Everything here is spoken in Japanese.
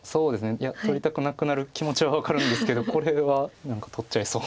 いや取りたくなくなる気持ちは分かるんですけどこれは何か取っちゃいそう。